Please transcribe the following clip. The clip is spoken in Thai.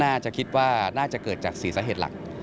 น่าจะคิดว่าน่าจะเกิดจาก๔สาเหตุหลัก